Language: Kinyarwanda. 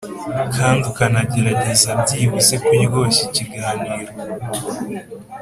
kandi ukanagerageza byibuze kuryoshya ikiganiro